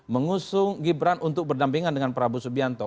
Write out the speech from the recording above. mengusung gibran untuk berdampingan dengan prabowo subianto